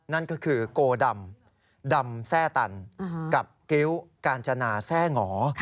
นั่นก็คือโกดำดำแทร่ตันกับกิ๊วกาญจนาแทร่งอ